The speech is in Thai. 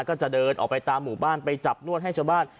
ก็จะเดินออกไปตามหมู่บ้านไปจับนวดให้ชาวบ้าน